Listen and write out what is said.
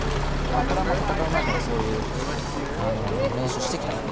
これは戦う前からそういう練習をしてきたので。